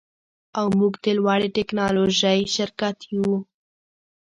او موږ د لوړې ټیکنالوژۍ شرکت یو